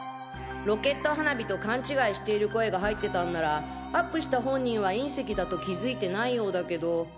ロケット花火と勘違いしている声が入ってたんならアップした本人は隕石だと気付いてないようだけど。